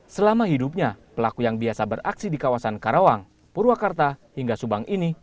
selama hidupnya pelaku yang biasa beraksi di kawasan karawang purwakarta hingga subang ini